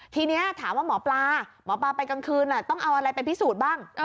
ทีนี้ถามว่าหมอปลาหมอปลาไปกลางคืนต้องเอาอะไรไปพิสูจน์บ้าง